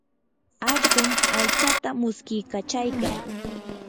allqum aytsata muskiykachaykan.